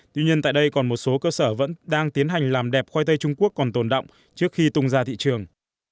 tuy nhiên tại đây còn một số cơ sở vẫn đang tiến hành làm đẹp khoai tây trung quốc còn tồn động trước khi tung ra thị trường